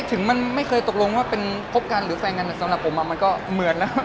ถึงมันไม่เคยตกลงว่าเป็นคบกันหรือแฟนกันสำหรับผมมันก็เหมือนแล้ว